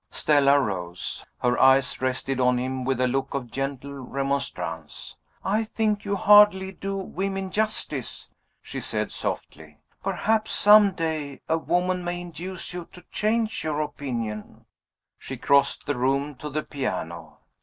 Stella rose. Her eyes rested on him with a look of gentle remonstrance. "I think you hardly do women justice," she said softly. "Perhaps some day a woman may induce you to change your opinion." She crossed the room to the piano.